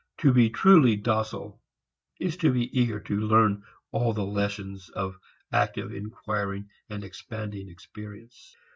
To be truly docile is to be eager to learn all the lessons of active, inquiring, expanding experience.